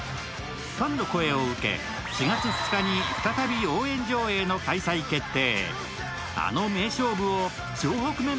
ファンの声を受け、４月２日に再び応援上映の開催が決定。